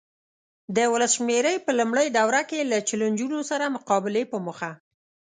د ولسمشرۍ په لومړۍ دوره کې له چلنجونو سره مقابلې په موخه.